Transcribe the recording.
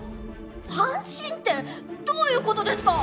ファンシンってどういうことですか？